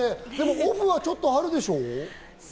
オフはちょっとあるでしょ？